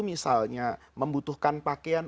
misalnya membutuhkan pakaian